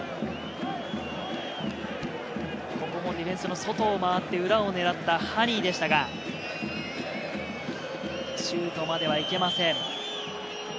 ここもディフェンスの外を回って裏を狙ったハニーでしたが、シュートまではいけません。